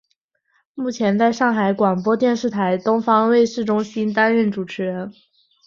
目前在上海广播电视台东方卫视中心担任主持人。